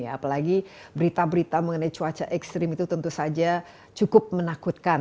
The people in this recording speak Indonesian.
apalagi berita berita mengenai cuaca ekstrim itu tentu saja cukup menakutkan